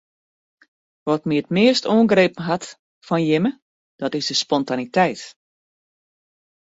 Wat my it meast oangrepen hat fan jimme dat is de spontaniteit.